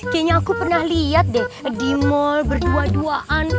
kayaknya aku pernah lihat deh di mall berdua duaan